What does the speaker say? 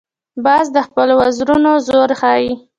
باز د خپلو وزرونو زور ښيي